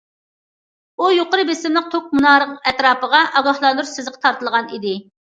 ئۇ يۇقىرى بېسىملىق توك مۇنارى ئەتراپىغا ئاگاھلاندۇرۇش سىزىقى تارتىلغان ئىدى.